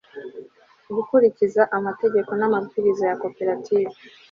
gukurikiza amategeko n'amabwiriza ya kopertive